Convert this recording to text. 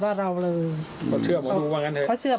สองสามีภรรยาคู่นี้มีอาชีพ